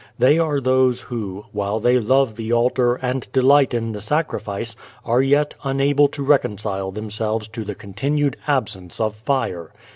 They are those who, while they love the altar and delight in the sacrifice, are yet unable to reconcile themselves to the continued absence of fire.